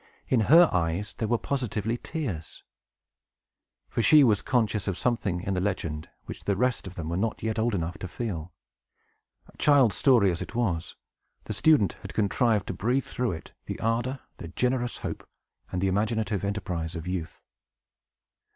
In her eyes there were positively tears; for she was conscious of something in the legend which the rest of them were not yet old enough to feel. Child's story as it was, the student had contrived to breathe through it the ardor, the generous hope, and the imaginative enterprise of youth.